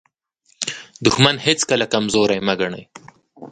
دښمن هیڅکله کمزوری مه ګڼئ.